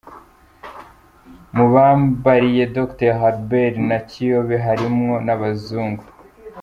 Mu bambariye Dr Albert na Kiyobe hari harimo n'abazungu.